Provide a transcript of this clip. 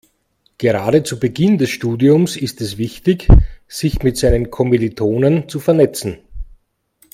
Gerade zu Beginn des Studiums ist es wichtig, sich mit seinen Kommilitonen zu vernetzen.